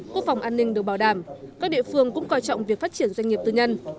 quốc phòng an ninh được bảo đảm các địa phương cũng coi trọng việc phát triển doanh nghiệp tư nhân